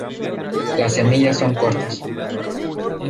Las semillas son cortas.